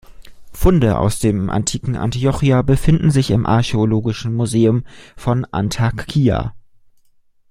Funde aus dem antiken Antiochia befinden sich im Archäologischen Museum von Antakya.